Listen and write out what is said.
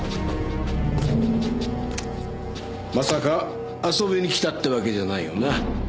まさか遊びに来たってわけじゃないよな？